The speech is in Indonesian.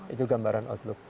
itu gambaran outlook